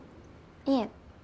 いえ。